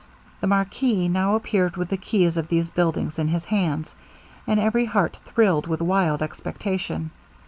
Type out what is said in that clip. The marquis now appeared with the keys of these buildings in his hands, and every heart thrilled with wild expectation.